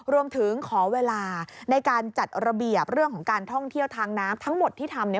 รวมถึงขอเวลาในการจัดระเบียบเรื่องของการท่องเที่ยวทางน้ำทั้งหมดที่ทำ